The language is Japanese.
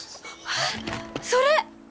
あっそれ！